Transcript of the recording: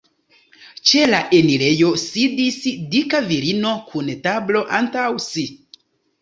Ĉe la enirejo sidis dika virino kun tablo antaŭ si.